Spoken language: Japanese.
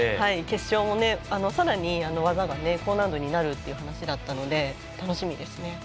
決勝もさらに技が高難度になるという話だったので楽しみですね。